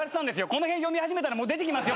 この辺読み始めたら出てきます